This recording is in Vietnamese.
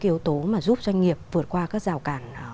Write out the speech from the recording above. số mà giúp doanh nghiệp vượt qua các rào cản